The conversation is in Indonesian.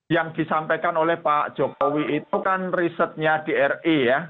yang disampaikan oleh pak jokowi itu kan risetnya di ri ya